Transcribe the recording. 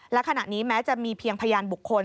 และขณะนี้แม้จะมีเพียงพยานบุคคล